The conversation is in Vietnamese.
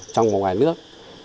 trong và ngoài nước